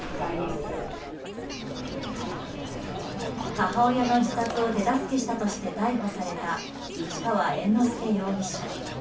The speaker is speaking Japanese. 母親の自殺を手助けしたとして逮捕された市川猿之助容疑者。